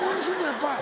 やっぱり。